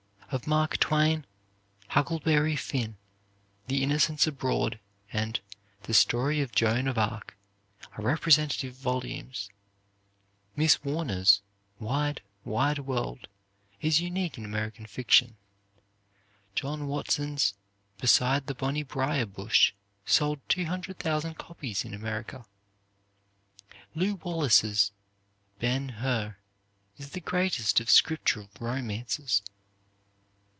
Of Mark Twain, "Huckleberry Finn," "The Innocents Abroad," and the "Story of Joan of Arc" are representative volumes. Miss Warner's "Wide, Wide World" is unique in American fiction. John Watson's "Beside the Bonnie Briar Bush," sold 200,000 copies in America. Lew Wallace's "Ben Hur" is the greatest of scriptural romances.